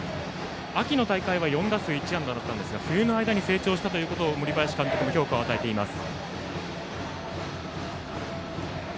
秋の大会は４打数１安打だったんですが冬の間に成長したということを森林監督も評価を与えています。